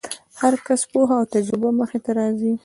د هر کس پوهه او تجربه مخې ته راځي.